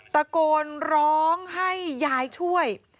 ตะโกนร้องให้ยายช่วย